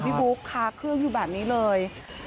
บุ๊คคาเครื่องอยู่แบบนี้เลย